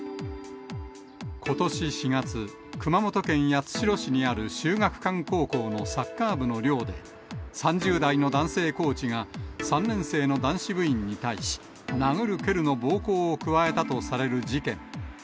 ことし４月、熊本県八代市にある秀岳館高校のサッカー部の寮で、３０代の男性コーチが３年生の男子部員に対し、殴るけるの暴行を加えたとされる事件。